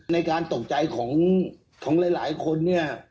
ในการตกใจของหลายคนเนี่ย